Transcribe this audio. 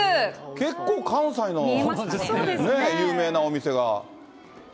結構関西の有名なお店が。